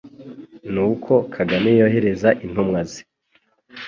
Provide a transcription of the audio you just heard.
n'uko Kagame yohereza intumwa ze